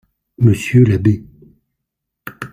Monsieur l'abbé.